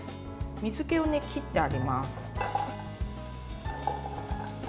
水けを切ってあります。